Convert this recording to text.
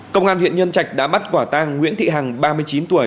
công an huyện nhân trạch đã bắt quả tang nguyễn thị hằng ba mươi chín tuổi